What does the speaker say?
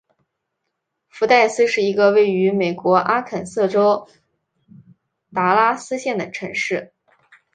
福代斯是一个位于美国阿肯色州达拉斯县的城市。